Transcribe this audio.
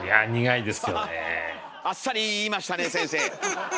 あっさり言いましたねえ先生！